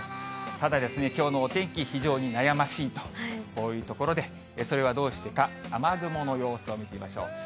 ただ、きょうのお天気、非常に悩ましいと、こういうところで、それはどうしてか、雨雲の様子を見てみましょう。